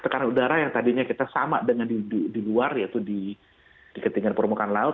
tekanan udara yang tadinya kita sama dengan di luar yaitu di ketinggian permukaan laut